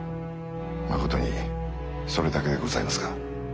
まことにそれだけでございますか？